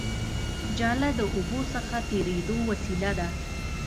جاله د اوبو څخه تېرېدو وسیله ده